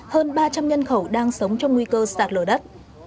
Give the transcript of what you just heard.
hơn ba trăm linh nhân khẩu đang sống trong nguy cơ sạt lở đất